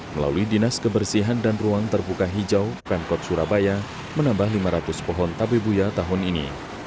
melalui dinas kebersihan dan ruang terbuka hijau pemkot surabaya menambah lima ratus pohon tabebuya tahun ini